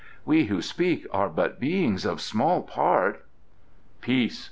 We who speak are but Beings of small part " "Peace!"